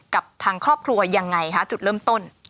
กับทางครอบครัวยังไงคะจุดเริ่มต้น